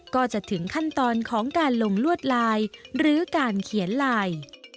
ก็จะถึงขั้นตอนของการลงลวดลายหรือการเขียนลาย